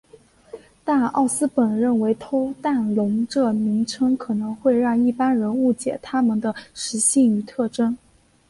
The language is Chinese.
但奥斯本认为偷蛋龙这名称可能会让一般人误解它们的食性与特征。